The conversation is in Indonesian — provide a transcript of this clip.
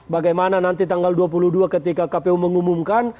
bagaimana nanti tanggal dua puluh dua ketika kpu mengumumkan